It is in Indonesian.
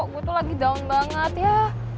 aku tuh lagi down banget ya